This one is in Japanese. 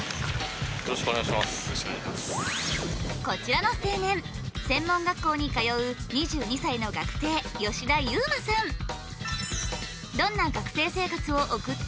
こちらの青年専門学校に通う２２歳の学生吉田悠真さん。